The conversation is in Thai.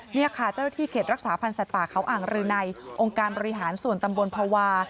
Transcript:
นี่ค่ะเจ้าหน้าที่เขตรักษาพันธ์สัตว์ป่าเขาอ่างรืนัยองค์การบริหารส่วนตำบลภาวะ